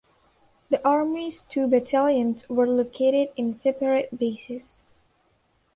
The army's two battalions were located in separate bases.